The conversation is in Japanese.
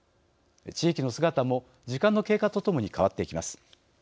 地域の姿も時間の経過とともに変わっていきます。